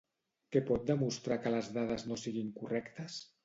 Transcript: Què pot demostrar que les dades no siguin correctes?